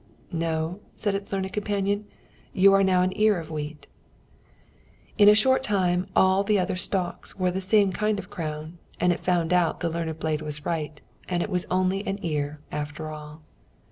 "No." said its learned companion. "You are now an ear of wheat." And in a short time all the other stalks wore the same kind of crown, and it found out that the learned blade was right, and that it was only an ear, after all.